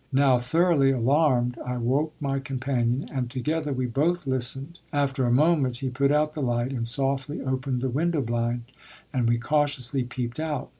Now thoroughly alarmed, I woke my companion, and together we both listened. After a moment he put out the light and softly opened the window blind, and we cautiously peeped out.